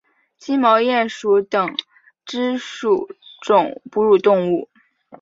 金毛鼹属等之数种哺乳动物。